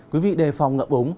quý vị đề phòng ngập ống